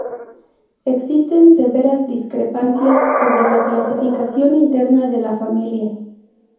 Existen severas discrepancias sobre la clasificación interna de la familia.